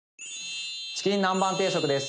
チキン南蛮定食です。